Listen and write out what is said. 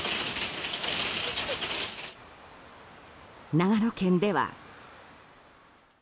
長野県では。